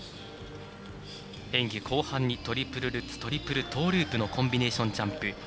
演技後半にトリプルルッツトリプルトーループのコンビネーションジャンプ。